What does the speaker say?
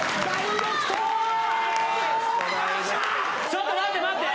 ちょっと待って！